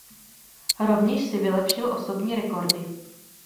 Rovněž si vylepšil osobní rekordy.